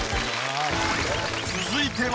続いては。